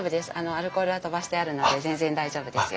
アルコールは飛ばしてあるので全然大丈夫ですよ。